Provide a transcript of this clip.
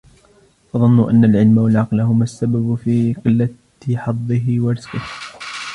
فَظَنُّوا أَنَّ الْعِلْمَ وَالْعَقْلَ هُمَا السَّبَبُ فِي قِلَّةِ حَظِّهِ وَرِزْقِهِ